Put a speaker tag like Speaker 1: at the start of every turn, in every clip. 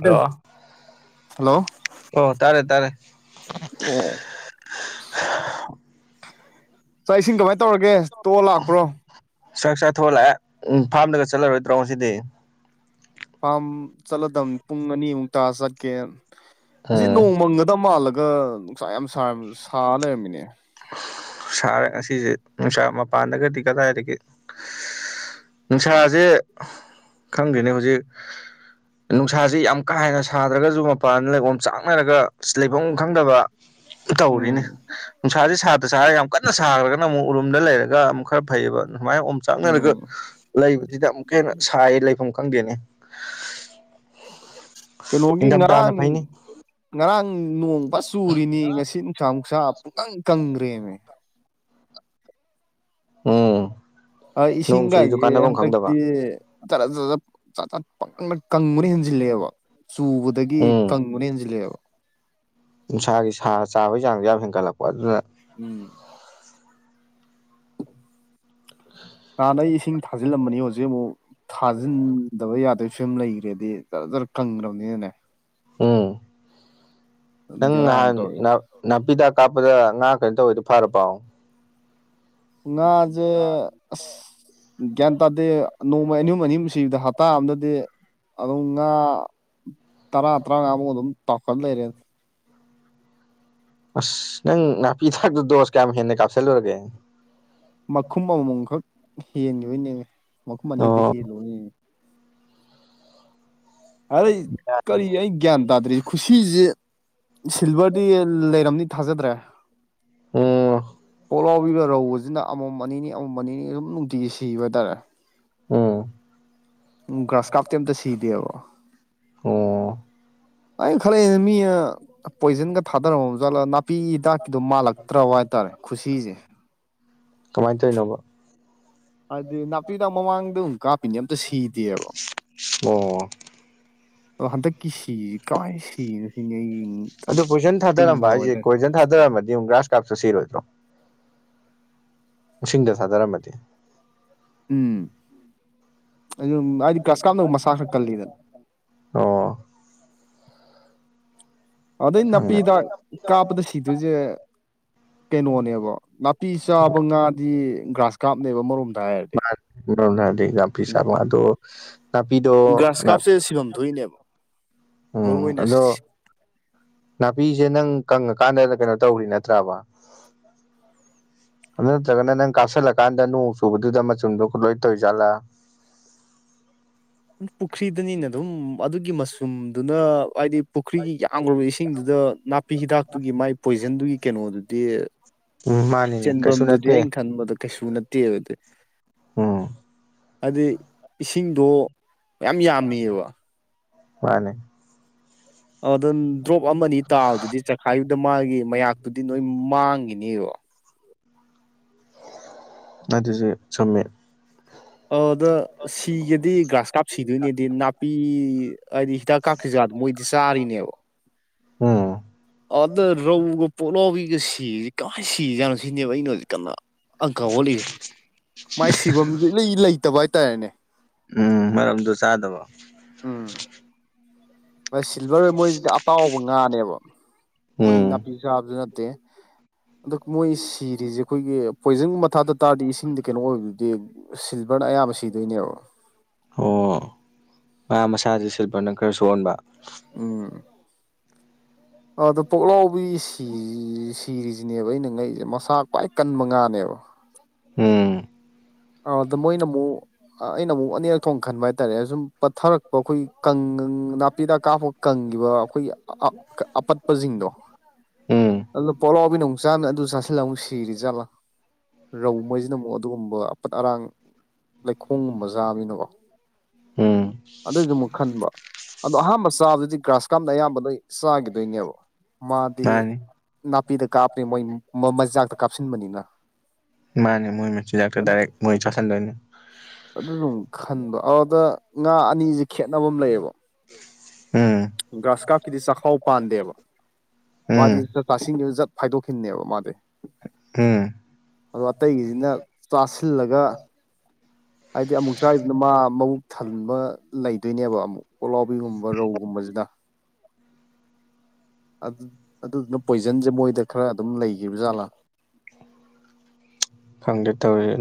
Speaker 1: hello
Speaker 2: hello
Speaker 1: ꯑꯣ ꯇꯥꯔꯦ ꯇꯥꯔꯦ
Speaker 2: ꯑꯣ ꯆꯥꯛ ꯏꯁꯤꯡ ꯀꯃꯥꯏ ꯇꯧꯔꯒꯦ ꯇꯣꯛꯑ ꯂꯥꯛꯄ꯭ꯔꯣ
Speaker 1: ꯆꯥꯛ ꯆꯥꯊꯣꯛꯑ ꯂꯥꯛꯑꯦ ꯎꯝ ꯐꯥꯝꯗꯒ ꯆꯠꯂꯔꯣꯏꯗ꯭ꯔꯣ ꯉꯁꯤꯗꯤ
Speaker 2: ꯐꯥꯝ ꯆꯠꯂꯗꯝꯅꯤ ꯄꯨꯡ ꯑꯅꯤꯃꯨꯛ ꯇꯥꯔꯥ ꯆꯠꯀꯦꯅ ꯉꯁꯤ
Speaker 1: ꯎꯝ
Speaker 2: ꯅꯣꯡ ꯃꯪꯒꯗꯕ ꯃꯥꯜꯂꯒ ꯅꯨꯡꯁꯥ ꯌꯥꯝ ꯁꯥ ꯁꯥꯔ ꯂꯩꯔꯝꯃꯤꯅꯦ
Speaker 1: ꯁꯥꯔꯦ ꯉꯁꯤꯁꯦ ꯅꯨꯡꯁꯥ ꯃꯄꯥꯟꯗꯒꯗꯤ ꯀꯗꯥꯏꯗꯒꯤ ꯅꯨꯡꯁꯥꯖꯦ ꯈꯪꯗꯦꯅꯦ ꯍꯧꯖꯤꯛ ꯅꯨꯡꯁꯥꯁꯤ ꯌꯥꯝ ꯀꯥ ꯍꯦꯟꯅ ꯁꯥꯗ꯭ꯔꯒꯁꯨ ꯃꯄꯥꯟꯗ ꯂꯩ ꯑꯣꯝꯆꯥꯛꯅꯔꯒ ꯂꯩꯕꯝ ꯈꯪꯗꯕ ꯇꯧꯔꯤꯅꯦ
Speaker 2: ꯎꯝ
Speaker 1: ꯅꯨꯡꯁꯥꯁꯦ ꯁꯥꯗ ꯁꯥꯔꯒ ꯌꯥꯝ ꯀꯟꯅ ꯁꯥꯈ꯭ꯔꯒꯅ ꯑꯃꯨꯛ ꯎꯔꯨꯝꯗ ꯂꯩꯔꯒ ꯑꯃꯨꯛ ꯈꯔ ꯐꯩꯌꯦꯕ ꯁꯨꯃꯥꯏꯅ ꯑꯣꯝ ꯆꯥꯛꯅꯔꯒ
Speaker 2: ꯎꯝ
Speaker 1: ꯂꯩꯕꯖꯤꯗꯥ ꯑꯃꯨꯛꯀ ꯍꯦꯟꯅ ꯁꯥꯏꯌꯦ ꯂꯩꯐꯥꯝ ꯈꯪꯗꯦꯅꯦ
Speaker 2: ꯀꯩꯅꯣꯒꯤ
Speaker 1: ꯅꯤꯡꯊꯝꯊꯥꯅ
Speaker 2: ꯉꯔꯥꯡ
Speaker 1: ꯐꯩꯅꯤ
Speaker 2: ꯉꯔꯥꯡ ꯅꯣꯡꯐ ꯆꯨꯔꯤꯅꯤ ꯉꯁꯤ ꯅꯨꯡꯁꯥ ꯑꯃꯨꯛ ꯁꯥ ꯄꯨꯝꯀꯪ ꯀꯪꯒ꯭ꯔꯦꯃꯤ
Speaker 1: ꯎꯝ
Speaker 2: ꯑ
Speaker 1: ꯅꯣꯡ ꯆꯨꯔꯤꯗꯨ
Speaker 2: ꯏꯁꯤꯡꯒꯥꯏꯖꯦ
Speaker 1: ꯀꯥꯟꯅꯐꯝ ꯈꯪꯗꯕ
Speaker 2: ꯍꯟꯇꯛꯇꯤ ꯆꯔ ꯆ ꯆꯥꯛ ꯆꯠ ꯄꯪꯀꯪꯗꯥ ꯀꯪꯕꯅ ꯍꯦꯟꯖꯤꯜꯂꯛꯑꯦꯕ ꯆꯨꯕꯗꯒꯤ
Speaker 1: ꯎꯝ
Speaker 2: ꯀꯪꯕꯅ ꯍꯦꯟꯖꯤꯜꯂꯛꯑꯦꯕ
Speaker 1: ꯅꯨꯡꯁꯥꯒꯤ ꯁꯥ ꯆꯥꯕꯒꯤ ꯆꯥꯡꯖꯦ ꯌꯥꯝ ꯍꯦꯟꯒꯠꯂꯛꯄ ꯑꯗꯨꯅ
Speaker 2: ꯎꯝ ꯅꯍꯥꯟ ꯑꯩ ꯏꯁꯤꯡ ꯊꯥꯖꯤꯜꯂꯝꯃꯅꯤ ꯍꯧꯖꯤꯛ ꯑꯃꯨꯛ ꯊꯥꯖꯤꯟ ꯇꯧꯗꯕ ꯌꯥꯗꯕꯒꯤ ꯐꯤꯕꯝ ꯂꯩꯈ꯭ꯔꯦꯗꯤ ꯖꯔꯖꯔ ꯀꯪꯈ꯭ꯔꯕꯅꯤꯅꯅꯦ
Speaker 1: ꯎꯝ ꯅꯪ
Speaker 2: ꯕꯦꯔꯥꯅꯤ
Speaker 1: ꯅꯍꯥꯟ
Speaker 2: ꯇꯧꯔꯤꯁꯦ
Speaker 1: ꯅꯥꯄꯤꯍꯤꯗꯥꯛ ꯀꯥꯞꯄꯗ ꯉꯥ ꯀꯩꯅꯣ ꯇꯧꯋꯦꯗꯣ ꯐꯥꯔꯕꯣ
Speaker 2: ꯉꯥꯖꯦ ꯑꯁ ꯒ꯭ꯌꯥꯟ ꯇꯥꯗꯦ ꯅꯣꯡꯃꯩ ꯑꯅꯤꯍꯨꯝ ꯑꯅꯤꯍꯨꯝ ꯁꯤꯕꯗ ꯍꯞꯇꯥ ꯑꯝꯗꯗꯤ ꯑꯗꯨꯝ ꯉꯥ ꯇꯔꯥ ꯇꯔꯥꯉꯥꯃꯨꯛ ꯑꯗꯨꯝ ꯇꯥꯎꯈꯠ ꯂꯩꯔꯦ ꯑꯗꯨꯝ
Speaker 1: ꯑꯁ ꯅꯪ ꯅꯥꯄꯤꯍꯤꯗꯥꯛꯇꯨ ꯗꯣꯁ ꯀꯌꯥꯝ ꯍꯦꯟꯅ ꯀꯥꯞꯁꯤꯜꯂꯨꯔꯒꯦ
Speaker 2: ꯃꯈꯨꯝ ꯑꯃꯃꯝꯈꯛ ꯍꯦꯟꯒꯤꯕꯩꯅꯦꯃꯤ ꯃꯈꯨꯝ ꯑꯅꯤ ꯈꯛꯇ
Speaker 1: ꯑꯣ
Speaker 2: ꯍꯦꯜꯂꯣꯏꯅ ꯑꯔꯩ ꯀꯔꯤ ꯑꯩ ꯒ꯭ꯌꯥꯟ ꯇꯥꯗ꯭ꯔꯦ ꯈꯨꯁꯤꯖꯦ ꯁꯤꯜꯚꯔꯗꯤ ꯂꯩꯔꯝꯅꯤ ꯊꯥꯖꯗ꯭ꯔꯦ
Speaker 1: ꯎꯝ
Speaker 2: ꯄꯣꯛꯂꯥꯎꯕꯤꯒ ꯔꯧꯒꯖꯤꯅ ꯑꯃꯃꯝ ꯑꯅꯤꯅꯤ ꯑꯃꯃꯝ ꯑꯅꯤꯅꯤ ꯑꯗꯨꯝ ꯅꯨꯡꯇꯤꯒꯤ ꯁꯤꯕ ꯍꯥꯏꯇꯥꯔꯦ
Speaker 1: ꯎꯝ
Speaker 2: ꯎꯝ ꯒ꯭ꯔꯥꯁ ꯀꯥꯞꯇꯤ ꯑꯝꯇ ꯁꯤꯗꯦꯕ
Speaker 1: ꯑꯣ
Speaker 2: ꯑꯩꯅ ꯈꯜꯂꯛꯏ ꯃꯤꯅ ꯄꯣꯏꯖꯟꯒ ꯊꯥꯗꯔꯝꯃ ꯖꯥꯠꯂ ꯅꯥꯄꯤ ꯍꯤꯗꯥꯛꯀꯤꯗꯣ ꯃꯥꯜꯂꯛ ꯇ꯭ꯔꯕ ꯍꯥꯏꯇꯥꯔꯦ ꯈꯨꯁꯤꯖꯦ
Speaker 1: ꯀꯃꯥꯏ ꯇꯧꯏꯅꯣꯕ
Speaker 2: ꯍꯥꯏꯗꯤ ꯅꯥꯄꯤꯗꯥꯛ ꯃꯃꯥꯡꯗ ꯑꯗꯨꯝ ꯀꯥꯞꯄꯤꯅꯤ ꯑꯝꯇ ꯁꯤꯗꯦꯕ
Speaker 1: ꯑꯣ
Speaker 2: ꯑꯗꯣ ꯍꯟꯗꯛꯀꯤ ꯁꯤꯖꯤ ꯀꯃꯥꯏ ꯁꯤꯅꯣ ꯁꯤꯅꯤ ꯑꯩꯅ ꯌꯦꯡ
Speaker 1: ꯑꯗꯣ ꯄꯣꯏꯖꯟ ꯊꯥꯗꯔꯝꯕ ꯍꯥꯏꯁꯦ ꯀꯣꯏꯖꯟ ꯊꯥꯗꯔꯛꯝꯃꯗꯤ ꯑꯃꯨꯛ ꯒ꯭ꯔꯥꯁ ꯀꯥꯞꯁꯨ ꯁꯤꯔꯣꯏꯗ꯭ꯔꯣ ꯏꯁꯤꯡꯗ ꯊꯥꯗꯔꯝꯃꯗꯤ
Speaker 2: ꯎꯝ ꯑꯗꯨꯝ ꯍꯥꯏꯗꯤ ꯒ꯭ꯔꯥꯁ ꯀꯥꯞꯅ ꯑꯃꯨꯛ ꯃꯁꯥ ꯈꯔ ꯀꯜꯂꯤꯗꯅ
Speaker 1: ꯑꯣ
Speaker 2: ꯑꯗꯩ ꯅꯥꯄꯤꯍꯤꯗꯥꯛ ꯀꯥꯞꯄꯗ ꯁꯤꯗꯣꯏꯖꯦ ꯀꯩꯅꯣꯅꯦꯕ ꯅꯥꯄꯤ ꯆꯥꯕ ꯉꯥꯗꯤ ꯒ꯭ꯔꯥꯁ ꯀꯥꯞꯅꯦꯕ ꯑꯃꯔꯣꯝꯗ ꯍꯥꯏꯔꯗꯤ
Speaker 1: [unintelligible] ꯑꯗꯣ ꯅꯥꯄꯤꯗꯣ ꯅꯥꯞ
Speaker 2: ꯗ ꯁꯤꯕꯝ ꯊꯣꯛꯏꯅꯦꯕ ꯃꯔꯨ
Speaker 1: ꯎꯝ
Speaker 2: ꯑꯣꯏꯅ
Speaker 1: ꯑꯗꯣ ꯅꯥꯄꯤꯁꯦ ꯅꯪ ꯀꯪꯉꯀꯥꯟꯗ ꯀꯩꯅꯣ ꯇꯧꯔꯤ ꯅꯠꯇ꯭ꯔꯕ ꯑꯗꯨ ꯅꯠꯇ꯭ꯔꯒꯅ ꯅꯪ ꯀꯥꯞꯁꯤꯜꯂꯀꯥꯟꯗ ꯅꯣꯡ ꯆꯨꯕꯗꯨꯗ ꯃꯆꯨꯝꯗꯨꯣ ꯂꯣꯏ ꯇꯧꯔꯤꯖꯥꯠꯂ
Speaker 2: ꯄꯨꯈ꯭ꯔꯤꯗꯅꯤꯅ ꯑꯗꯨꯝ ꯑꯗꯨꯒꯤ ꯃꯁꯨꯝꯗꯨꯅ ꯍꯥꯏꯗꯤ ꯄꯨꯈ꯭ꯔꯤꯒꯤ ꯌꯥꯝꯈ꯭ꯔꯕ ꯏꯁꯤꯡꯗꯨꯗ ꯅꯥꯄꯤ ꯍꯤꯗꯥꯛꯇꯨꯒꯤ ꯃꯥꯏ ꯄꯣꯏꯖꯟꯗꯨꯒꯤ ꯀꯩꯅꯣꯗꯨꯗꯤ
Speaker 1: ꯎꯝ
Speaker 2: ꯑꯁ
Speaker 1: ꯃꯥꯅꯤꯅꯦ ꯀꯩꯁꯨ
Speaker 2: ꯆꯦꯟꯕꯝꯗꯨꯗꯤ
Speaker 1: ꯅꯠꯇꯦ
Speaker 2: ꯑꯩꯅ ꯈꯟꯕꯗ ꯀꯩꯁꯨ ꯅꯠꯇꯦꯕ ꯗꯨ
Speaker 1: ꯑ
Speaker 2: ꯍꯥꯏꯗꯤ ꯏꯁꯤꯡꯗꯣ ꯃꯌꯥꯝ ꯌꯥꯝꯃꯤꯕ
Speaker 1: ꯃꯥꯅꯦ
Speaker 2: ꯑꯗꯨꯝ ꯗ꯭ꯔꯣꯞ ꯑꯃꯅꯤ ꯇꯥꯕꯗꯨꯗꯤ ꯆꯈꯥꯏꯈꯤꯕꯗ ꯃꯥꯒꯤ ꯃꯌꯥꯛꯇꯨꯗꯤ ꯅꯣꯏ ꯃꯥꯡꯈꯤꯅꯦꯕ
Speaker 1: ꯑꯗꯨꯁꯨ ꯆꯨꯝꯃꯦ
Speaker 2: ꯑꯧꯗ ꯁꯤꯒꯦꯗꯤ ꯒ꯭ꯔꯥꯁ ꯀꯥꯞ ꯁꯤꯗꯣꯏꯅꯦꯗꯤ ꯅꯥꯄꯤ ꯍꯥꯏꯗꯤ ꯍꯤꯗꯥꯛ ꯀꯥꯞ ꯀꯤꯖꯥꯗ ꯃꯣꯏꯗꯤ ꯆꯥꯔꯤꯅꯦꯕ
Speaker 1: ꯎꯝ
Speaker 2: ꯑꯥꯗ ꯔꯧꯒ ꯄꯣꯛꯂꯥꯎꯕꯤꯒ ꯁꯤꯔꯤꯖꯤ ꯀꯃꯥꯏꯅ ꯁꯤꯔꯤꯖꯥꯠꯅꯣ ꯁꯤꯅꯦꯕ ꯑꯩꯅ ꯍꯧꯖꯤꯛ ꯀꯟꯅ ꯑꯪꯀꯥ ꯍꯣꯠꯂꯤꯁꯦ ꯃꯥꯏ ꯁꯤꯐꯝꯖꯦ ꯏꯂꯩ ꯂꯩꯇꯕ ꯍꯥꯏꯇꯥꯔꯦꯅꯦ
Speaker 1: ꯎꯝ ꯃꯔꯝꯗꯨ ꯆꯥꯗꯕ
Speaker 2: ꯎꯝ ꯃꯣ ꯁꯤꯜꯚꯔ ꯃꯣꯏꯖꯤꯗꯤ ꯑꯇꯥꯎꯕ ꯉꯥꯅꯦꯕ ꯃꯣꯏ
Speaker 1: ꯎꯝ
Speaker 2: ꯅꯄꯤ ꯆꯥꯕꯁꯨ ꯅꯠꯇꯦ ꯑꯗꯣ ꯃꯣꯏ ꯁꯤꯔꯤꯖꯦ ꯈꯣꯏꯒꯤ ꯄꯣꯏꯖꯟꯒꯨꯝꯕ ꯊꯥꯗ ꯇꯥꯔꯗꯤ ꯏꯁꯤꯡꯗꯤ ꯀꯩꯅꯣ ꯑꯣꯏꯕꯗꯨꯗꯤ ꯁꯤꯜꯚꯔꯅ ꯑꯌꯥꯝꯕ ꯁꯤꯗꯣꯏꯅꯦꯕ
Speaker 1: ꯑꯣ ꯉꯥ ꯃꯁꯥꯖꯦ ꯁꯤꯜꯚꯔꯅ ꯈꯔ ꯁꯣꯟꯕ
Speaker 2: ꯎꯝ ꯑ ꯗꯣ ꯄꯣꯛꯂꯥꯎꯕꯤꯁ ꯁꯤꯔꯤꯖꯤꯅꯦꯕ ꯑꯩꯅ ꯉꯛꯢꯖꯦ ꯃꯁꯥ ꯈ꯭ꯋꯥꯏ ꯀꯟꯕ ꯉꯥꯅꯦꯕ
Speaker 1: ꯎꯝ
Speaker 2: ꯑꯥꯎ ꯑꯗ ꯃꯣꯏꯅ ꯃꯨꯛ ꯑꯩꯅ ꯃꯨꯛ ꯑꯅꯤꯔꯛ ꯊꯣꯛꯅ ꯈꯟꯕ ꯍꯥꯏꯇꯥꯔꯦ ꯑꯗꯨꯝ ꯄꯊꯔꯛ ꯃ ꯈꯣꯏ ꯀꯪꯒ ꯅꯥꯄꯤꯗꯥꯛ ꯀꯥꯞꯄ ꯀꯪꯒꯤꯕ ꯑꯈꯣꯏꯒꯤ ꯑꯄꯠꯄꯖꯤꯡꯗꯣ
Speaker 1: ꯎꯝ
Speaker 2: ꯑꯗꯨ ꯄꯣꯂꯥꯎꯕꯤꯅ ꯃꯨꯛ ꯆꯥꯝꯅꯦ ꯑꯗꯨ ꯆꯥ ꯁꯜꯂ ꯑꯃꯨꯛ ꯁꯤꯔꯤ ꯖꯥꯠꯂꯥ ꯔꯧ ꯃꯣꯏꯁꯤꯅ ꯑꯃꯨꯛ ꯑꯗꯨꯒꯨꯝꯕ ꯑꯄꯠ ꯑꯔꯥꯡ ꯂꯩꯈꯣꯝꯒꯨꯝꯕ ꯆꯥꯕꯖꯤꯅꯀꯣ
Speaker 1: ꯎꯝ
Speaker 2: ꯑꯗꯨꯏꯗꯨꯃꯛ ꯈꯟꯕ ꯑꯗꯣ ꯑꯍꯥꯟꯕ ꯆꯥꯕꯗꯨꯗꯤ ꯒ꯭ꯔꯥꯁ ꯀꯥꯞꯅ ꯑꯌꯥꯝꯕ ꯂꯣꯢ ꯆꯥꯒꯤꯗꯣꯏꯅꯦꯕ ꯃꯥꯗꯤ
Speaker 1: ꯃꯥꯅꯤ
Speaker 2: ꯅꯥꯄꯤꯗ ꯀꯥꯄꯦ ꯃꯣꯏ ꯃꯆꯤꯟꯖꯥꯛꯇ ꯀꯥꯞꯁꯤꯟꯕꯅꯤꯅ
Speaker 1: ꯃꯥꯅꯦ ꯃꯣꯏ ꯃꯆꯤꯟꯖꯥꯛꯇ ꯗꯥꯏꯔꯦꯛ ꯃꯣꯏ ꯆꯥꯁꯟꯗꯣꯏꯅꯦ
Speaker 2: ꯑꯗꯨꯖꯨ ꯃꯨꯛ ꯈꯟꯕ ꯑꯧꯗ ꯉꯥ ꯑꯅꯤꯖꯦ ꯈꯦꯠꯅꯕ ꯑꯝ ꯂꯩꯌꯦꯕ
Speaker 1: ꯎꯝ
Speaker 2: ꯒ꯭ꯔꯥꯁ ꯀꯥꯞꯀꯤꯗꯤ ꯆꯥꯛꯈꯥꯎ ꯄꯥꯟꯗꯦꯕ
Speaker 1: ꯎꯝ
Speaker 2: ꯃꯥꯗꯤ ꯖꯠ ꯆꯥꯁꯤꯟꯒꯤꯕ ꯖꯠ ꯐꯥꯏꯗꯣꯛꯈꯤꯅꯦꯕ ꯃꯥꯗꯤ
Speaker 1: ꯎꯝ
Speaker 2: ꯑꯗꯣ ꯑꯇꯩꯒꯤꯖꯤꯅ ꯆꯥꯁꯤꯜꯂꯒ ꯍꯥꯏꯗꯤ ꯑꯃꯨꯛ ꯆꯥꯔꯤꯗꯨꯅ ꯃꯥ ꯃꯕꯨꯛ ꯊꯟꯕ ꯂꯩꯗꯣꯏꯅꯦꯕ ꯑꯃꯨꯛ ꯄꯣꯛꯂꯥꯎꯕꯤꯒꯨꯝꯕ ꯔꯧꯒꯨꯝꯕꯖꯤꯗ ꯑꯗꯨꯗꯨꯅ ꯄꯣꯏꯖꯟꯖꯦ ꯃꯣꯏꯗ ꯈꯔ ꯑꯗꯨꯝ ꯂꯩꯒꯤꯕ ꯖꯥꯠꯂꯥ
Speaker 1: ꯈꯪꯗꯦ ꯇꯧꯔꯤꯖꯦ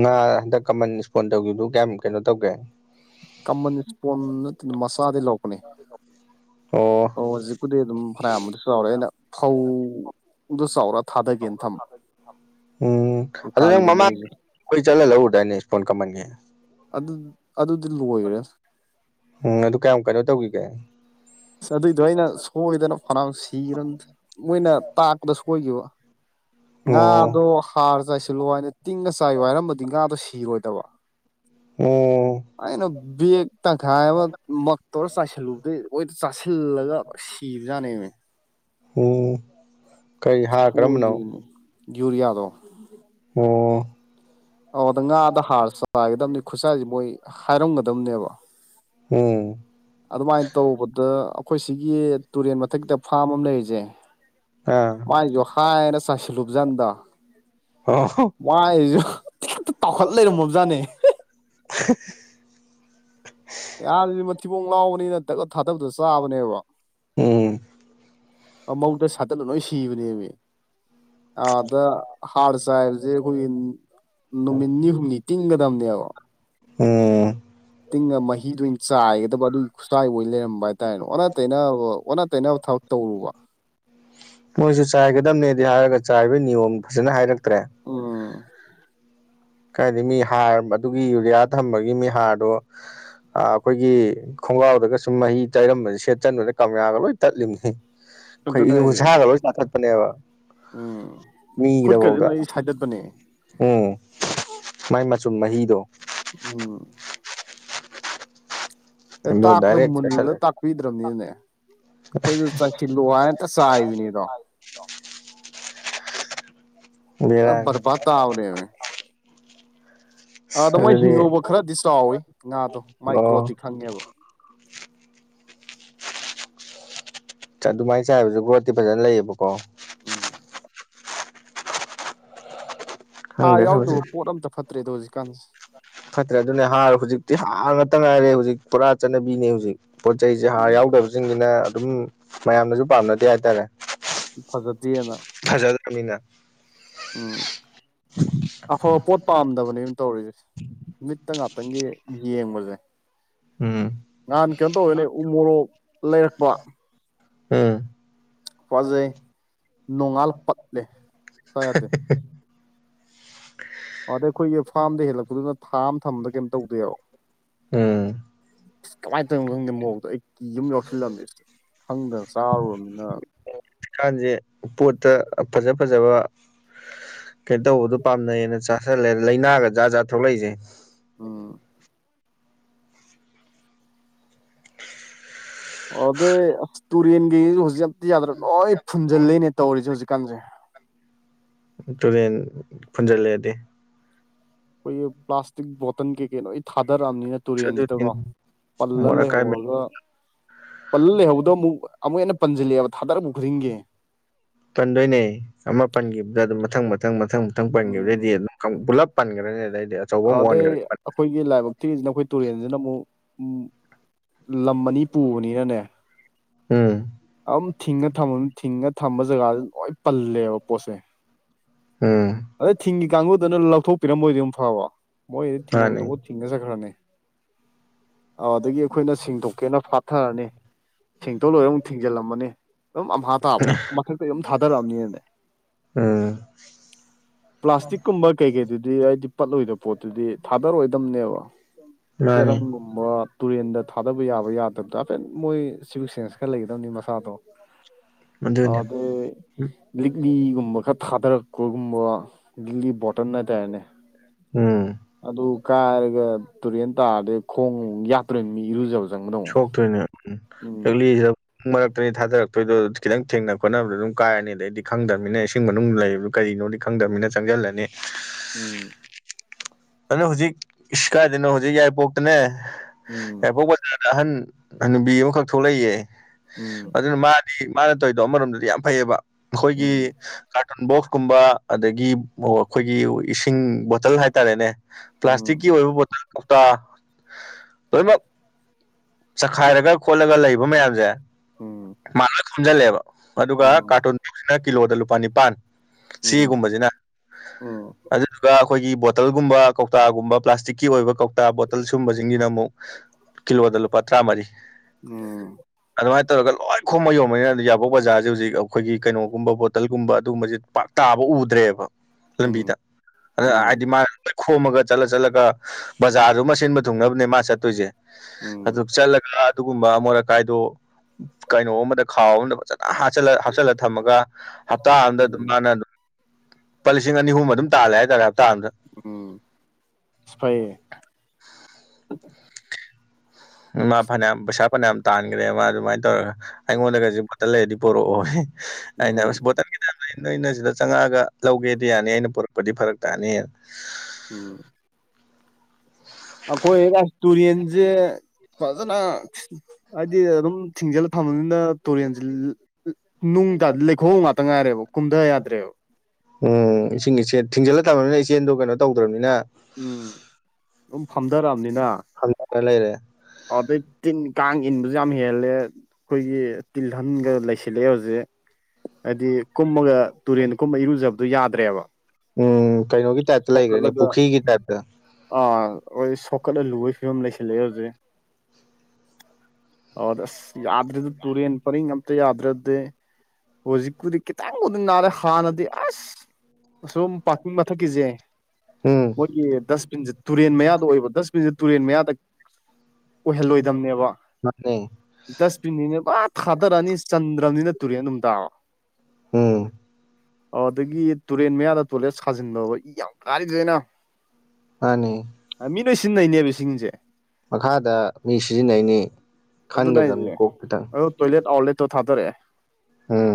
Speaker 1: ꯉꯥ ꯍꯟꯗꯛ ꯀꯃꯟ ꯁ꯭ꯄꯣꯟ ꯇꯧꯈꯤꯕꯗꯨ ꯀꯌꯥꯝ ꯀꯩꯅꯣ ꯇꯧꯒꯦ
Speaker 2: ꯀꯃꯟ ꯁ꯭ꯄꯣꯟ ꯅꯠꯇꯦꯗ ꯃꯆꯥꯗꯩ ꯂꯧꯔꯛꯄꯅꯦ ꯑꯣ ꯖꯤꯛ ꯄꯨꯗꯤ ꯑꯗꯨꯝ ꯐꯅ꯭ꯌꯥꯝꯕꯨꯗꯤ ꯆꯥꯎꯔꯦ ꯑꯩꯅ ꯐꯧ ꯑꯗꯨ ꯆꯥꯎꯔꯥ ꯊꯥꯗ
Speaker 1: ꯎꯝ ꯑꯗꯨ ꯅꯪ
Speaker 2: ꯎꯀꯥꯕꯤꯅꯦ
Speaker 1: ꯃꯃꯥ
Speaker 2: ꯃꯣꯏꯁꯦ
Speaker 1: ꯀꯣꯏ ꯆꯠꯂ ꯂꯧꯔꯨꯗꯥꯏꯅꯦ ꯏꯁꯄꯣꯟ ꯀꯃꯟꯒꯤ
Speaker 2: ꯑꯗꯨ ꯑꯗꯨꯗꯤ ꯂꯣꯏꯒ꯭ꯔꯦꯗ
Speaker 1: ꯎꯝ ꯑꯗꯨ ꯀꯌꯥꯝ ꯀꯩꯅꯣ ꯇꯧꯒꯤꯒꯦ
Speaker 2: ꯑꯗꯨꯏꯗꯣ ꯑꯩꯅ ꯁꯣꯏꯗꯅ ꯐꯅꯥꯝ ꯁꯤꯒ꯭ꯔꯃꯤꯗ ꯃꯣꯏꯅ ꯇꯥꯛꯄꯗ ꯁꯣꯏꯒꯤꯕ ꯉꯥꯗꯣ
Speaker 1: ꯑꯣ
Speaker 2: ꯍꯥꯔ ꯆꯥꯏꯁꯤꯜꯂꯨ ꯍꯥꯏꯅ ꯇꯤꯡꯉ ꯆꯥꯏꯌꯨ ꯍꯥꯏꯔꯝꯃꯗꯤ ꯉꯥꯗꯣ ꯁꯤꯔꯣꯏꯗꯕ
Speaker 1: ꯑꯣ
Speaker 2: ꯑꯩꯅ ꯕꯦꯛ ꯇꯪꯈꯥꯏ ꯑꯃ ꯃꯛꯇꯧꯔ ꯆꯥꯏꯁꯤꯜꯂꯨꯕꯗꯩ ꯕꯣꯏꯗ ꯆꯥꯁꯤꯜꯂꯒ ꯂꯣꯏ ꯁꯤꯕꯖꯥꯠꯅꯦꯃꯤ
Speaker 1: ꯎꯝ ꯀꯩ ꯍꯥ ꯀꯔꯝꯕꯅꯣ
Speaker 2: ꯁꯣꯏꯒꯤꯕꯅꯦ ꯌꯨꯔꯤꯌꯥꯗꯣ
Speaker 1: ꯑꯣ
Speaker 2: ꯑꯣ ꯑꯗ ꯉꯥꯗ ꯍꯥꯔ ꯆꯥꯏꯒꯗꯕꯅꯤ ꯈꯨꯠꯁꯥꯏꯁꯖꯦ ꯃꯣꯏ ꯍꯥꯏꯔꯝꯒꯗꯝꯅꯦꯕ
Speaker 1: ꯎꯝ
Speaker 2: ꯑꯗꯨꯃꯥꯏꯅ ꯇꯧꯕꯗ ꯑꯩꯈꯣꯏ ꯁꯤꯒꯤ ꯇꯨꯔꯦꯟ ꯃꯊꯛꯇ ꯐꯥꯝ ꯑꯃ ꯂꯩꯔꯤꯖꯦ
Speaker 1: ꯑꯥ
Speaker 2: ꯃꯥꯏꯖꯨ ꯍꯥꯏꯑꯦꯅ ꯆꯥꯁꯤꯜꯂꯨꯨꯕ ꯖꯥꯟꯅꯤꯗ
Speaker 1: ꯑꯣ
Speaker 2: ꯋꯥꯏꯖꯨ ꯇꯤꯈꯠꯇ ꯇꯥꯎꯈꯠ ꯂꯩꯔꯝ ꯃꯝꯖꯥꯠꯅꯦ
Speaker 1: [unintelligible]
Speaker 2: ꯌꯥꯝꯗꯤ ꯃꯊꯤꯕꯣꯡ ꯂꯥꯎꯕꯅꯤꯅ ꯇꯛ ꯂꯥꯎ ꯊꯥꯗꯕꯗ ꯆꯥꯕꯅꯦꯕ
Speaker 1: ꯎꯝ
Speaker 2: ꯃꯕꯨꯛꯇꯣ ꯁꯥꯏꯗꯠꯂ ꯂꯣꯏ ꯁꯤ ꯀꯤꯕꯅꯦꯃꯦ ꯑꯗꯥ ꯍꯥꯔ ꯆꯥꯏꯕꯖꯦ ꯑꯩꯈꯣꯏꯒꯤ ꯅꯨꯃꯤꯠ ꯅꯤꯅꯤ ꯍꯨꯝꯅꯤ ꯇꯤꯡꯒꯗꯕꯅꯦꯕ
Speaker 1: ꯎꯝ
Speaker 2: ꯇꯤꯡꯒ ꯃꯍꯤꯗꯨꯏ ꯑꯣꯏꯅ ꯆꯥꯏꯒꯗꯕ ꯑꯗꯨꯒꯤ ꯈꯨꯠꯁꯥꯏ ꯑꯣꯏ ꯂꯩꯔꯝꯕ ꯍꯥꯏꯇꯥꯔꯦꯅꯦ ꯑꯣꯟꯅ ꯇꯩꯅꯕ ꯑꯣꯟꯅ ꯇꯩꯅꯕ ꯊꯕꯛ ꯇꯧꯔꯨꯕ
Speaker 1: ꯃꯣꯏꯖꯨ ꯆꯥꯏꯒꯗꯝꯅꯦꯗꯤ ꯍꯥꯏꯔꯒ ꯆꯥꯏꯕꯒꯤ ꯅꯤꯌꯣꯝ ꯐꯥꯖꯅ ꯍꯥꯏꯔꯛꯇ꯭ꯔꯦ
Speaker 2: ꯎꯝ
Speaker 1: ꯀꯥꯏꯗꯩ ꯃꯤ ꯍꯥꯔ ꯑꯗꯨꯒꯤ ꯌꯨꯔꯤꯌꯥ ꯊꯝꯕꯒꯤ ꯃꯤ ꯍꯥꯔꯗꯣ ꯑꯥ ꯑꯩꯈꯣꯏꯒꯤ ꯈꯣꯡꯒ꯭ꯔꯥꯎꯗꯒ ꯁꯨꯝ ꯃꯍꯤ ꯇꯥꯏꯔꯝꯕꯖꯦ ꯁꯦꯠꯆꯟꯕ ꯀꯝꯌꯥꯥꯒ ꯂꯣꯏ ꯇꯠꯂꯤꯝꯅꯤ ꯑꯈꯣꯏ
Speaker 2: ꯑꯗꯨꯅꯦ
Speaker 1: ꯏ
Speaker 2: ꯍꯥꯏꯁꯦ
Speaker 1: ꯎꯟꯁꯥꯒ ꯂꯣꯏ ꯆꯥꯊꯠꯄꯅꯦꯕ
Speaker 2: ꯈꯨꯠꯀꯖꯦ
Speaker 1: ꯃꯤꯒꯤꯗꯐꯧꯗ
Speaker 2: ꯂꯣꯏ ꯁꯥꯏꯗꯠꯄꯅꯦ
Speaker 1: ꯎꯝ ꯃꯥꯏ ꯃꯆꯨꯝ ꯃꯍꯤꯗꯣ
Speaker 2: ꯎꯝ ꯑꯦ
Speaker 1: ꯑꯗꯨ
Speaker 2: ꯇꯥꯛꯄꯗꯣ
Speaker 1: ꯗꯥꯏꯔꯦꯛ
Speaker 2: ꯃꯨꯜꯂ
Speaker 1: ꯇꯩꯁꯜꯂꯦ
Speaker 2: ꯇꯥꯛꯄꯤꯗ꯭ꯔꯝꯅꯤꯅꯅꯦ ꯑꯩꯈꯣꯏꯖꯨ ꯆꯥꯏꯁꯤꯜꯂꯣ ꯍꯥꯏꯅ ꯍꯦꯛꯇ ꯆꯥꯏꯕꯅꯤꯗꯣ
Speaker 1: ꯕꯦꯔꯥꯅꯦ [inaudible]
Speaker 2: ꯕꯔꯕꯥꯔ ꯇꯥꯕꯅꯦꯃꯤ ꯑꯥ ꯑꯗꯣ ꯃꯣꯏ ꯍꯤꯡꯍꯧꯕ ꯈꯔꯗꯤ ꯆꯥꯎꯋꯤ ꯉꯥꯗꯣ ꯃꯥꯏ
Speaker 1: ꯑꯣ
Speaker 2: ꯒ꯭ꯔꯣꯠꯇꯤ ꯈꯪꯉꯦꯕ
Speaker 1: [inaudible] ꯑꯗꯨꯃꯥꯏꯅ ꯆꯥꯏꯕꯖꯨ ꯒ꯭ꯔꯣꯠꯇꯤ ꯐꯥꯖꯅ ꯂꯩꯌꯦꯕꯀꯣ
Speaker 2: ꯎꯝ ꯍꯥꯔ
Speaker 1: ꯈꯪꯗꯦꯗ ꯍꯧꯖꯤꯛ
Speaker 2: ꯌꯥꯎꯗꯕ ꯄꯣꯠ ꯑꯝꯇ ꯐꯠꯇ꯭ꯔꯦꯗꯣ ꯍꯧꯖꯤꯛꯀꯥꯟꯖꯦ
Speaker 1: ꯐꯠꯇ꯭ꯔꯦ ꯑꯗꯨꯅꯦ ꯍꯥꯔ ꯍꯧꯖꯤꯛꯇꯤ ꯍꯥꯥꯔ ꯉꯥꯛꯇ ꯉꯥꯏꯔꯦ ꯍꯧꯖꯤꯛ ꯄꯨꯔꯥ ꯆꯠꯅꯕꯤꯅꯦ ꯍꯧꯖꯤꯛ ꯄꯣꯠ ꯆꯩꯖꯦ ꯍꯥꯔ
Speaker 2: ꯎꯝ
Speaker 1: ꯌꯥꯎꯗꯕꯖꯤꯡꯖꯤꯅ ꯑꯗꯨꯝ ꯃꯌꯥꯝꯅꯖꯨ ꯄꯥꯝꯅꯗꯦ ꯍꯥꯏꯇꯥꯔꯦ
Speaker 2: ꯐꯥꯖꯗꯦꯅ
Speaker 1: ꯐꯥꯖꯗ꯭ꯔꯃꯤꯅ
Speaker 2: ꯎꯝ ꯑꯐꯥꯕ ꯄꯣꯠ ꯄꯥꯝꯗꯕꯅꯦꯃꯤ ꯇꯧꯔꯤꯖꯦ ꯃꯤꯠꯇ ꯉꯥꯛꯇꯪꯒꯤ ꯌꯦꯡꯕꯖꯦ
Speaker 1: ꯎꯝ
Speaker 2: ꯅꯍꯥꯟ ꯀꯩꯅꯣ ꯇꯧꯋꯦꯅꯦ ꯎ ꯃꯣꯔꯣꯛ ꯂꯩꯔꯛꯄ
Speaker 1: ꯎꯝ
Speaker 2: ꯐꯖꯩ ꯅꯣꯡꯉꯥꯜ ꯄꯠꯂꯦ ꯆꯥ ꯌꯥꯗꯦ ꯑꯗꯩ ꯑꯩꯈꯣꯏꯒꯤ ꯐꯥ꯭ꯔꯝꯗꯩ ꯍꯦꯜꯂꯛꯄꯗꯨꯅ ꯊꯥꯝ ꯑꯃ ꯊꯝꯕꯗ ꯀꯩꯝ ꯇꯧꯗꯦꯕ
Speaker 1: ꯎꯝ
Speaker 2: ꯑꯁ ꯀꯃꯥꯏꯟ ꯇꯧꯅꯣ ꯈꯪꯗꯦ ꯃꯣꯔꯣꯛꯇꯣ ꯑꯩ ꯀꯤꯕ ꯑꯝ ꯌꯥꯎꯁꯜꯂꯝꯃꯦ ꯈꯪꯗ ꯆꯥꯎꯔꯝꯅꯤꯅ
Speaker 1: ꯍꯧꯖꯤꯛ ꯀꯥꯟꯖꯦ ꯄꯣꯠꯇ ꯐꯥꯖ ꯐꯥꯖꯕ ꯀꯩꯅꯣ ꯇꯧꯕꯗꯨ ꯄꯥꯝꯅꯩꯌꯦꯅ ꯆꯥꯥꯁꯜꯂꯦ ꯂꯥꯏꯅꯥꯒ ꯖꯥꯠ ꯖꯥꯠ ꯊꯣꯛꯂꯛꯏꯖꯦ
Speaker 2: ꯎꯝ ꯑꯣ ꯑꯗꯩ ꯑꯁ ꯇꯨꯔꯦꯟꯒꯩꯖꯨ ꯍꯧꯖꯤꯛ ꯑꯝꯇ ꯌꯥꯗ꯭ꯔꯦ ꯂꯣꯏ ꯐꯨꯟꯖꯜ ꯂꯦꯅꯦ ꯇꯧꯔꯤꯖꯦ ꯍꯧꯖꯤꯛꯀꯥꯟꯖꯦ
Speaker 1: ꯇꯨꯔꯦꯟ ꯐꯨꯟꯖꯜꯂꯦꯗꯤ
Speaker 2: ꯈꯣꯏꯒꯤ ꯄ꯭ꯂꯥꯁꯇꯤꯛ ꯕꯣꯇꯜ ꯀꯩ ꯀꯩ ꯂꯣꯏꯅ ꯊꯥꯗꯔꯛꯑꯕꯅꯤꯅ
Speaker 1: ꯑꯗꯨꯗꯤ
Speaker 2: ꯇꯨꯔꯦꯟꯁꯤꯗꯀꯣ ꯄꯜꯂ
Speaker 1: ꯑꯃꯣꯠ ꯑꯀꯥꯏ
Speaker 2: ꯂꯩꯍꯧꯔꯒ ꯄꯜꯂ ꯂꯩꯍꯧꯗꯣ ꯑꯃꯨꯛ ꯑꯃꯨꯛ ꯍꯦꯟꯅ ꯄꯟꯖꯤꯜꯂꯦꯕ ꯊꯥꯗꯔꯛꯄ ꯈꯨꯗꯤꯡꯒꯤ
Speaker 1: ꯄꯟꯗꯣꯏꯅꯦ ꯑꯃ ꯄꯟꯒꯤꯕꯗ ꯑꯗꯨꯝ ꯃꯊꯪ ꯃꯊꯪ ꯃꯊꯪ ꯈꯤꯇꯪ ꯄꯟꯒꯤꯕꯗꯩꯗꯤ
Speaker 2: ꯎꯝ
Speaker 1: ꯑꯗꯨꯝ ꯄꯨꯂꯞ ꯄꯟꯒ꯭ꯔꯅꯤ ꯑꯗꯩꯗꯤ ꯑꯆꯧꯕ ꯑꯝ ꯑꯣꯟꯈ꯭ꯔꯦ
Speaker 2: ꯈꯣꯏꯒꯤ ꯂꯥꯏꯕꯛ ꯊꯤꯔꯤꯖꯤꯅ ꯈꯣꯏ ꯇꯨꯔꯦꯟꯖꯤꯅ ꯃꯨꯛ ꯂꯝ ꯑꯅꯤ ꯄꯨꯕꯅꯤꯅꯅꯦ
Speaker 1: ꯎꯝ
Speaker 2: ꯗꯨꯝ ꯊꯤꯡꯉ ꯊꯝꯃꯃꯤ ꯊꯤꯡꯉ ꯊꯝꯕ ꯖꯒꯥꯗ ꯂꯣꯏ ꯄꯜꯂꯦꯕ ꯄꯣꯠꯁꯦ
Speaker 1: ꯎꯝ
Speaker 2: ꯑꯗ ꯊꯤꯡꯉꯤ ꯀꯥꯡꯕꯨꯗꯨꯅ ꯂꯧꯊꯣꯛꯄꯤꯔꯝꯕ ꯑꯣꯏꯗꯤ ꯃꯐꯕ ꯃꯣꯏꯗꯤ ꯊꯤꯡꯐꯝ
Speaker 1: ꯃꯥꯅꯤ
Speaker 2: ꯊꯣꯛꯄ ꯊꯤꯡꯉ ꯆꯈ꯭ꯔꯅꯤ ꯑꯥꯗꯒꯤ ꯑꯩꯈꯣꯏꯅ ꯁꯦꯡꯗꯣꯛꯀꯦꯅ ꯐꯥꯊꯔꯅꯤ ꯁꯦꯡꯇꯣꯛ ꯂꯣꯏꯔ ꯑꯃꯨꯛ ꯊꯤꯡꯖꯤꯜꯂꯝꯃꯅꯤ ꯑꯗꯨꯝ ꯑꯝꯍꯥ ꯇꯥꯕ ꯃꯊꯛꯇꯩ ꯑꯗꯨꯝ ꯊꯥꯗꯔꯛꯑꯕꯅꯤꯅꯦ
Speaker 1: ꯎꯝ
Speaker 2: ꯄ꯭ꯂꯥꯁꯇꯤꯛꯀꯨꯝꯕ ꯀꯩꯀꯩꯗꯨꯗꯤ ꯑꯩꯗꯤ ꯄꯠꯂꯣꯏꯗꯕ ꯄꯣꯠꯇꯨꯗꯤ ꯊꯥꯗꯔꯣꯏꯗꯝꯅꯦꯕ ꯆꯦꯔꯪ
Speaker 1: ꯃꯥꯅꯤ
Speaker 2: ꯒꯨꯝ ꯕ ꯇꯨꯔꯦꯟꯗ ꯊꯥꯗꯕ ꯌꯥꯕ ꯌꯥꯗꯕꯗ ꯍꯥꯏꯐꯦꯠ ꯃꯣꯏ ꯁꯤꯕꯤꯛ ꯁꯦꯟꯁ ꯈꯔ ꯂꯩꯒꯗꯕꯅꯤ ꯃꯁꯥꯗꯣ
Speaker 1: ꯑꯗꯨꯅꯤ
Speaker 2: ꯑꯗꯩ ꯂꯤꯛꯂꯤꯒꯨꯝꯕ ꯈꯔ ꯊꯥꯗꯔꯛ ꯀꯣꯔꯒꯨꯝꯕ ꯂꯤꯛꯂꯤ ꯕꯣꯇꯟ ꯍꯥꯏꯇꯥꯔꯦꯅꯦ
Speaker 1: ꯎꯝ
Speaker 2: ꯑꯗꯨ ꯀꯥꯏꯔꯒ ꯇꯨꯔꯦꯟ ꯇꯥꯔꯗꯤ ꯈꯣꯡ ꯌꯥꯠꯇ꯭ꯔꯣꯝꯃꯤ ꯏꯔꯨꯖꯕ ꯆꯪꯕꯗ ꯑꯃꯨꯛ
Speaker 1: ꯁꯣꯛꯇꯣꯏꯅꯦ ꯎꯝ ꯂꯤꯛꯂꯤꯖꯦ ꯃꯔꯛꯇꯅꯤ ꯊꯥꯗꯔꯛꯇꯣꯏꯗꯣ ꯈꯤꯇꯪ ꯊꯦꯡꯅ ꯈꯣꯠꯅꯕꯗ ꯑꯗꯨꯝ ꯀꯥꯏꯔꯅꯤ ꯑꯗꯩꯗꯤ ꯈꯪꯗꯝꯃꯤꯅ ꯏꯁꯤꯡ ꯃꯅꯨꯡꯗ ꯂꯩꯕꯗꯨ ꯀꯔꯤꯅꯣꯗꯤ ꯈꯪꯗꯝꯃꯤꯅ ꯆꯪꯖꯜꯂꯅꯤ
Speaker 2: ꯎꯝ
Speaker 1: ꯑꯗꯨꯅ ꯍꯧꯖꯤꯛ ꯏꯁ ꯀꯥꯏꯗꯩꯅꯣ ꯍꯧꯖꯤꯛ ꯌꯥꯏꯔꯤꯄꯣꯛꯇꯅꯦ
Speaker 2: ꯎꯝ
Speaker 1: ꯌꯥꯏꯔꯤꯄꯣꯛ ꯕꯖꯥꯔ ꯑꯍꯟ ꯍꯅꯨꯕꯤ ꯑꯃꯈꯛ ꯊꯣꯛꯂꯛꯏꯌꯦ
Speaker 2: ꯎꯝ
Speaker 1: ꯑꯗꯨꯅ ꯃꯥꯗꯤ ꯃꯥꯅ ꯇꯧꯏꯗꯣ ꯑꯃꯔꯣꯝꯗꯗꯤ ꯌꯥꯝ ꯐꯩꯌꯦꯕ ꯑꯈꯣꯏꯒꯤ
Speaker 2: ꯎꯝ
Speaker 1: ꯀꯥꯔꯇꯨꯟ ꯕꯣꯛꯁ ꯀꯨꯝꯕ ꯑꯗꯒꯤ ꯈꯣꯏꯒꯤ ꯏꯁꯤꯡ ꯕꯣꯇꯜ ꯍꯥꯏꯇꯥꯔꯦꯅꯦ
Speaker 2: ꯎꯝ
Speaker 1: ꯄ꯭ꯂꯥꯁꯇꯤꯀꯤ ꯑꯣꯏꯕ ꯕꯣꯇꯜ ꯀꯧꯇꯥ ꯂꯣꯏꯃꯛ ꯆꯈꯥꯏꯔꯒ ꯈꯣꯠꯂꯒ ꯂꯩꯕ ꯃꯌꯥꯝꯖꯦ
Speaker 2: ꯎꯝ
Speaker 1: ꯃꯥ ꯂꯣꯢ ꯈꯣꯝꯖꯜꯂꯦꯕ
Speaker 2: ꯎꯝ
Speaker 1: ꯑꯗꯨꯒ
Speaker 2: ꯎꯝ
Speaker 1: ꯀꯥꯔꯇꯨꯟ ꯕꯣꯛꯁ ꯅ ꯀꯤꯂꯣꯗ ꯂꯨꯄꯥ ꯅꯤꯄꯥꯥꯟ
Speaker 2: ꯎꯝ
Speaker 1: ꯆꯦꯒꯨꯝꯕꯖꯤꯅ
Speaker 2: ꯎꯝ
Speaker 1: ꯑꯗꯨꯗꯨꯒ ꯑꯈꯣꯏꯒꯤ ꯕꯣꯇꯜꯒꯨꯝꯕ ꯀꯧꯇꯥꯒꯨꯝꯕ ꯄ꯭ꯂꯥꯁꯇꯤꯛꯀꯤ ꯑꯣꯏꯕ ꯀꯧꯇꯥ ꯕꯣꯇꯜ ꯁꯨꯝꯕꯁꯤꯡꯁꯤꯅ ꯑꯃꯨꯛ ꯀꯤꯂꯣꯗ ꯂꯨꯄꯥ ꯇ꯭ꯔꯥ ꯃꯔꯤ
Speaker 2: ꯎꯝ
Speaker 1: ꯑꯗꯨꯃꯥꯏ ꯇꯧꯔꯒ ꯂꯣꯏ ꯈꯣꯃ ꯌꯣꯝꯕꯅꯤꯅ ꯌꯥꯏꯕꯣꯛ ꯕꯖꯥꯔꯖꯦ ꯍꯧꯖꯤꯛ ꯑꯈꯣꯏꯒꯤ ꯀꯩꯅꯣꯒꯨꯝꯕ ꯕꯣꯇꯜꯒꯨꯝꯕ ꯑꯗꯨꯒꯨꯝꯕꯖꯦ ꯄꯥꯛ ꯇꯥꯕ ꯎꯗ꯭ꯔꯦꯕ ꯂꯝꯕꯤꯗ ꯑꯗ ꯍꯥꯏꯗꯤ ꯃꯥ ꯈꯣꯝꯃꯒ ꯆꯠꯂ ꯆꯠꯂꯒ ꯕꯖꯥꯔꯗꯨꯃ ꯁꯤꯟꯕ ꯊꯨꯡꯅꯕꯅꯦ ꯃꯥ ꯆꯠꯇꯣꯏꯖꯦ ꯑꯗꯨ ꯆꯠꯂꯒ ꯑꯗꯨꯒꯨꯝꯕ ꯑꯃꯣꯠ ꯑꯀꯥꯏꯗꯣ ꯀꯩꯅꯣ ꯑꯃꯗ ꯈꯥꯎ ꯑꯃꯗ ꯐꯖꯟ ꯑꯥ ꯍꯥꯆꯜꯂ ꯍꯥꯞꯆꯤꯜꯂ ꯊꯝꯃꯒ ꯍꯞꯇꯥ ꯑꯝꯗ
Speaker 2: ꯎꯝ ꯎꯝ
Speaker 1: ꯑꯗꯨꯝ
Speaker 2: ꯎꯝ
Speaker 1: ꯃꯥꯅ ꯄꯥ ꯂꯤꯁꯤꯡ ꯑꯅꯤꯍꯨꯝ ꯑꯗꯨꯝ ꯇꯥꯂꯦ ꯍꯥꯏꯇꯥꯔꯦ ꯍꯞꯇꯥ ꯑꯝꯗ
Speaker 2: ꯎꯝ ꯁ꯭ꯐꯩꯌꯦ
Speaker 1: ꯃꯥ ꯐꯅꯌꯥꯝ ꯄꯩꯁꯥ ꯐꯅꯌꯥꯝ ꯇꯥꯟꯒꯔ꯭ꯦ ꯃꯥ ꯑꯗꯨꯃꯥꯏꯅ ꯇꯧꯔꯒ ꯑꯩꯉꯣꯟꯗꯒꯖꯦ ꯕꯣꯇꯜ ꯂꯩꯔꯗꯤ ꯄꯨꯣꯔꯛꯑꯣꯌꯦ ꯑꯩꯅ
Speaker 2: ꯎꯝ
Speaker 1: ꯏꯁ ꯕꯣꯇꯟꯒꯤ ꯌꯥꯝ ꯂꯩ ꯅꯣꯏꯅ ꯁꯤꯗ ꯆꯪꯉꯛꯑꯒ ꯂꯧꯒꯦꯗꯤ ꯌꯥꯅꯤ ꯑꯩꯅ ꯄꯣꯔꯛꯄꯗꯤ ꯐꯔꯛ ꯇꯥꯅꯤꯅ
Speaker 2: ꯎꯝ ꯑꯩꯈꯣꯏ ꯑꯁ ꯇꯨꯔꯦꯟꯖꯦ ꯐꯖꯅ ꯍꯥꯏꯗꯤ ꯑꯗꯨꯝ ꯊꯤꯡꯖꯤꯜꯂ ꯊꯝꯃꯃꯤꯅ ꯇꯨꯔꯦꯟꯖꯦ ꯂ ꯅꯨꯡ ꯇꯥꯗꯦ ꯂꯩꯈꯣꯝ ꯉꯥꯛꯇ ꯉꯥꯢꯔꯦꯕ ꯀꯨꯝꯗ ꯌꯥꯗ꯭ꯔꯦꯕ
Speaker 1: ꯎꯝ ꯏꯁꯤꯡ ꯏꯆꯦꯟ ꯊꯤꯡꯖꯤꯜꯂ ꯊꯝꯃꯃꯤꯅ ꯏꯆꯦꯟꯗꯣ ꯀꯩꯅꯣ ꯇꯧꯗ꯭ꯔꯃꯤꯅ
Speaker 2: ꯎꯝ ꯑꯗꯨꯝ ꯐꯝꯊꯔꯛꯑꯕꯅꯤꯅ
Speaker 1: ꯐꯝꯗꯔ ꯂꯩꯔꯦ
Speaker 2: ꯑ ꯑꯗꯩ ꯇꯤꯟ ꯀꯥꯡ ꯏꯟꯕꯖꯨ ꯌꯥꯝ ꯍꯦꯜꯂꯦ ꯑꯩꯈꯣꯢꯒꯤ ꯇꯤꯜꯍꯟꯒ ꯂꯩꯁꯤꯜꯂꯦ ꯍꯧꯖꯤꯛ ꯍꯥꯢꯗꯤ ꯀꯨꯝꯃꯒ ꯇꯨꯔꯦꯟꯗ ꯀꯨꯝꯃ ꯏꯔꯨꯖꯕꯗꯣ ꯌꯥꯗ꯭ꯔꯦꯕ
Speaker 1: ꯎꯝ ꯀꯩꯅꯣꯒꯤ ꯇꯥꯏꯞꯇ ꯂꯩꯈ꯭ꯔꯦꯅꯦ
Speaker 2: ꯁꯣꯛꯀꯠꯂꯒ
Speaker 1: ꯄꯨꯈ꯭ꯔꯤꯒꯤ ꯇꯥꯏꯞꯇ
Speaker 2: ꯑꯥ ꯍꯣꯢ ꯁꯣꯛꯀꯠꯂ ꯂꯨꯕꯒꯤ ꯐꯤꯕꯝ ꯂꯩꯁꯜꯂꯛꯑꯦ ꯍꯧꯖꯤꯛ ꯑꯣ ꯑꯁ ꯌꯥꯗ꯭ꯔꯦꯗ ꯇꯨꯔꯦꯟ ꯄꯔꯤꯡ ꯑꯝꯇ ꯌꯥꯗ꯭ꯔꯗꯦ ꯍꯧꯖꯤꯛꯄꯨꯗꯤ ꯈꯤꯇꯪꯕꯨꯗꯤ ꯅꯥꯔꯦ ꯍꯥꯟꯅꯗꯤ ꯑꯁ ꯑꯁꯨꯝ ꯄꯥꯔꯀꯤꯡ ꯃꯊꯛꯀꯤꯖꯦ
Speaker 1: ꯎꯝ
Speaker 2: ꯃꯣꯏꯒꯤ ꯗꯁꯕꯤꯟꯁꯦ ꯇꯨꯔꯦꯟ ꯃꯌꯥꯗ ꯑꯣꯢꯕ ꯗꯁꯕꯤꯟꯁꯦ ꯇꯨꯔꯦꯟ ꯃꯌꯥꯗ ꯑꯣꯢꯍꯜꯂꯣꯢꯗꯝꯅꯦꯕ
Speaker 1: ꯃꯥꯅꯦ
Speaker 2: ꯇꯁꯕꯤꯟꯅꯤꯅꯦ ꯄꯨꯔꯥ ꯊꯥꯗꯔꯛꯑꯅꯤ ꯆꯟꯗ꯭ꯔꯕꯅꯤꯅ ꯇꯨꯔꯦꯟ ꯑꯗꯨꯝ ꯇꯥꯕ
Speaker 1: ꯎꯝ
Speaker 2: ꯑꯣ ꯑꯗꯒꯤ ꯇꯨꯔꯦꯟ ꯃꯌꯥꯗ ꯇꯣꯢꯂꯦꯠ ꯁꯥꯖꯤꯟꯕꯕ ꯏ ꯌꯥꯝ ꯀꯥꯔꯤꯖꯦ ꯑꯩꯅ
Speaker 1: ꯃꯥꯅꯤ
Speaker 2: ꯃꯤ ꯂꯣꯏ ꯁꯤꯖꯤꯟꯅꯩꯅꯦꯕ ꯏꯁꯤꯡꯖꯦ
Speaker 1: ꯃꯈꯥꯗ ꯃꯤ ꯁꯤꯖꯤꯟꯅꯩꯅꯤ
Speaker 2: ꯑꯗꯨꯅ
Speaker 1: ꯈꯟꯒꯗꯝꯅꯦ
Speaker 2: ꯍꯥꯏꯁꯦ
Speaker 1: ꯀꯣꯛꯇꯨꯗ
Speaker 2: ꯑꯗꯣ ꯇꯣꯏꯂꯦꯠ ꯑꯥꯎꯠꯂꯦꯠꯇꯣ ꯊꯥꯗꯔꯛꯑꯦ
Speaker 1: ꯎꯝ